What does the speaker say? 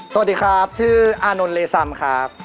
สวัสดีครับชื่ออานนท์เลซัมครับ